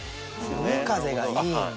海風がいいんだ。